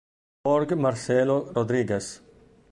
Jorge Marcelo Rodríguez